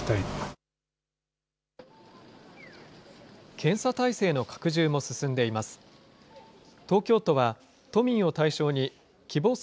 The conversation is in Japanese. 検査体制の拡充も進んでいます。